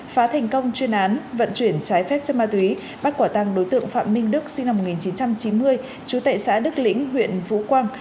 phá thành công chuyên án vận chuyển trái phép chân ma túy bắt quả tăng đối tượng phạm minh đức sinh năm một nghìn chín trăm chín mươi chú tệ xã đức lĩnh huyện vũ quang